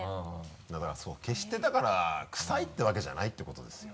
だからそう決してだからクサいってわけじゃないってことですよ。